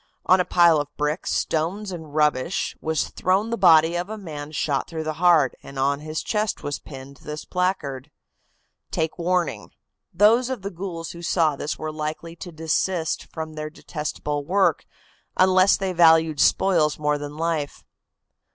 On a pile of bricks, stones and rubbish was thrown the body of a man shot through the heart, and on his chest was pinned this placard: "Take warning!" Those of the ghouls who saw this were likely to desist from their detestable work, unless they valued spoils more than life.